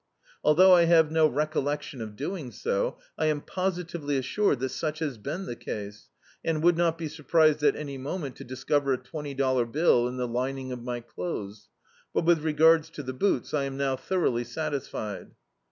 Although I have no recollection of doing sc^ I am positively assured that such has been the case; and would not be surprised at any moment to (Mscover a twenly dollar bill in the lining of my clothes; but, with regards to the boots, I am now dioroughly satisfied."